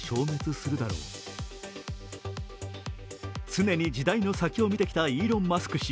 常に時代の先を見てきたイーロン・マスク氏。